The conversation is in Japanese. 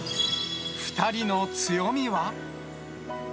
２人の強みは。